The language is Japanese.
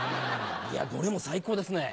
いやどれも最高ですね。